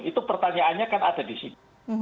itu pertanyaannya kan ada di sini